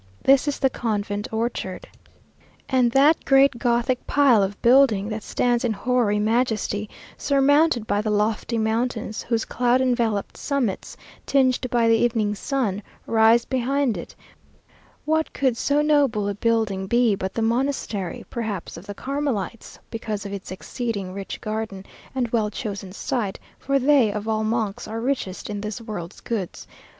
This is the convent orchard. And that great Gothic pile of building, that stands in hoary majesty, surmounted by the lofty mountains, whose cloud enveloped summits, tinged by the evening sun, rise behind it; what could so noble a building be but the monastery, perhaps of the Carmelites, because of its exceeding rich garden, and well chosen site, for they, of all monks, are richest in this world's goods.